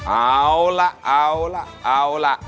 เอาล่ะเอาล่ะเอาล่ะ